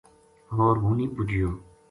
ہو ر ہوں نی بُجیو